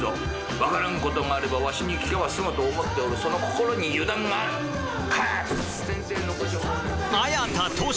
分からんことがあればわしに聞けば済むと思っておるその心に油断がある！喝！」。